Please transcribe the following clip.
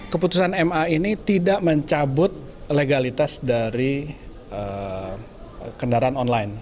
keputusan ma ini tidak mencabut legalitas dari kendaraan online